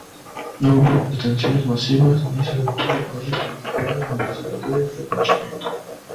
No hubo detenciones masivas ni se detuvo a los principales instigadores del linchamiento.